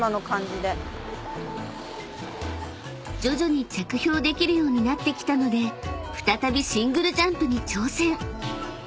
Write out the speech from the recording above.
［徐々に着氷できるようになってきたので再びシングルジャンプに挑戦］